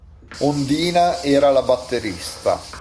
Ondina era la batterista.